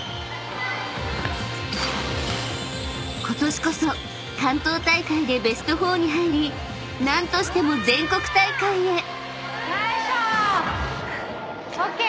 ［ことしこそ関東大会でベスト４に入り何としても全国大会へ！］